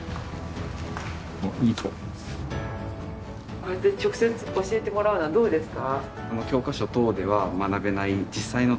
こうやって直接教えてもらうのはどうですか？